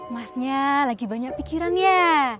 masnya lagi banyak pikiran ya